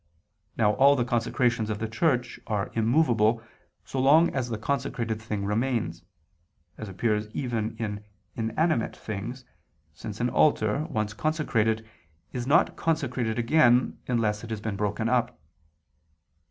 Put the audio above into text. Now all the consecrations of the Church are immovable so long as the consecrated thing remains: as appears even in inanimate things, since an altar, once consecrated, is not consecrated again unless it has been broken up.